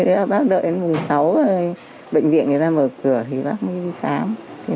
thế là bác đợi đến mùng sáu bệnh viện người ta mở cửa thì bác mới đi khám